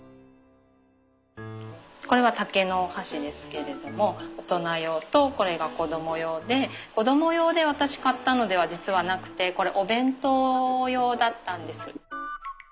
これは竹のお箸ですけれども大人用とこれが子ども用で子ども用で私買ったのでは実はなくてこれお弁当用だったんです。